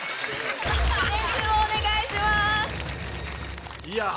点数をお願いします！